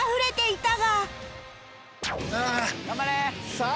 さあ